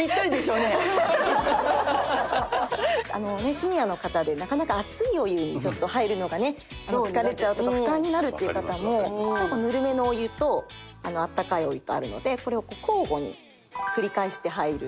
シニアの方でなかなか熱いお湯にちょっと入るのがね疲れちゃうとか負担になるっていう方もぬるめのお湯とあったかいお湯とあるのでこれを交互に繰り返して入ると。